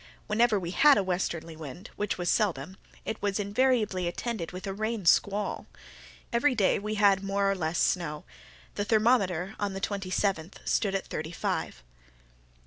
Whenever we had a westerly wind, which was seldom, it was invariably attended with a rain squall. Every day we had more or less snow. The thermometer, on the twenty seventh stood at thirty five.